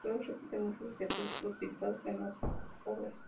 Beuys repite muchos objetos utilizados en otras obras.